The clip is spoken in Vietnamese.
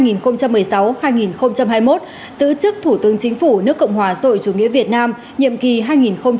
giữ chức thủ tướng chính phủ nước cộng hòa rồi chủ nghĩa việt nam nhiệm kỳ hai nghìn hai mươi một hai nghìn hai mươi sáu